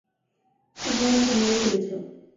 তোমরা উনাকে মেরে ফেলেছ!